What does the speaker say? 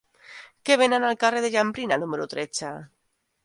Què venen al carrer de Jambrina número tretze?